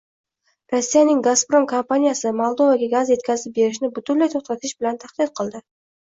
Rossiyaning Gazprom kompaniyasi Moldovaga gaz yetkazib berishni butunlay to‘xtatish bilan tahdid qildi